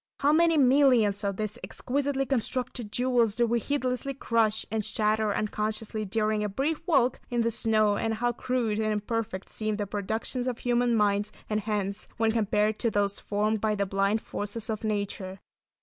How many millions of these exquisitely constructed jewels do we heedlessly crush and shatter unconsciously during a brief walk in the snow and how crude and imperfect seem the productions of human minds and hands when compared to those formed by the blind forces of nature.